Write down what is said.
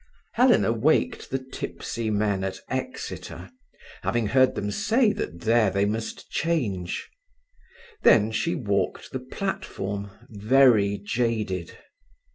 Helena waked the tipsy men at Exeter, having heard them say that there they must change. Then she walked the platform, very jaded.